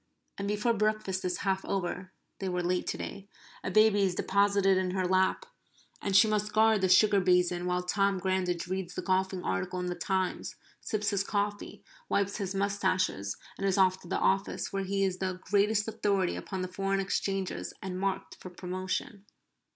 And before breakfast is half over (they were late today), a baby is deposited in her lap, and she must guard the sugar basin while Tom Grandage reads the golfing article in the "Times," sips his coffee, wipes his moustaches, and is off to the office, where he is the greatest authority upon the foreign exchanges and marked for promotion.